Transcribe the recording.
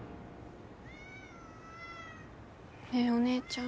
ねえお姉ちゃん。